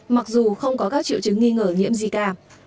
mặc dù không có các triệu chứng nghi ngờ nhiễm zika